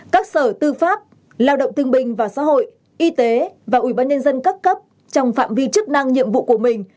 các sở tư pháp lao động thương bình và xã hội y tế và ubnd các cấp trong phạm vi chức năng nhiệm vụ của mình